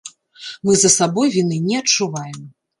Мы за сабой віны не адчуваем.